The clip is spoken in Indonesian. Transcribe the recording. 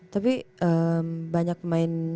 tapi banyak pemain